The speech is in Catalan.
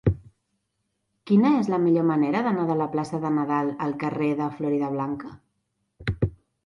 Quina és la millor manera d'anar de la plaça de Nadal al carrer de Floridablanca?